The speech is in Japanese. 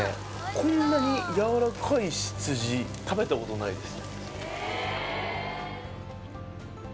こんなにやわらかい羊食べたことないです